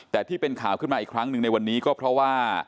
แต่ที่เป็นข่าวขึ้นมาอีกครั้งหนึ่งในวันนี้ก็เพราะว่า